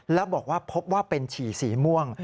แล้วบอกว่าพบว่าเป็นฉี่สีม่วง